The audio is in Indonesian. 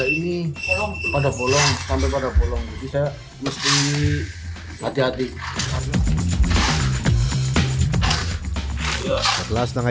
ini saya kira sudah lama ya